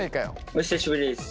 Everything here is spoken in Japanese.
お久しぶりです。